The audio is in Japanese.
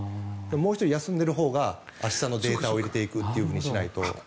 もう１人、休んでいるほうが明日のデータを入れていくというふうにしないと。